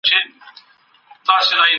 په هغه وخت کي فکري تنوع سخته ځپل کېده.